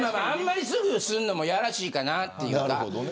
あんまりすぐ言うのもやらしいかなっていうか。